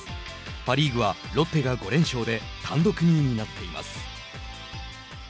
パ・リーグはロッテが５連勝で単独２位になっています。